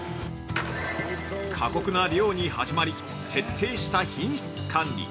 ◆過酷な漁に始まり徹底した品質管理。